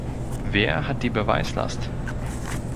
Wer hat die Beweislast?